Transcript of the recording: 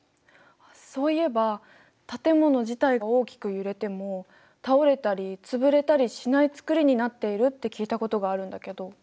そういえば建物自体が大きく揺れても倒れたり潰れたりしない造りになっているって聞いたことがあるんだけど。